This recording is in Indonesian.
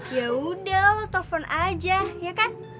yaudah lo telfon aja ya kan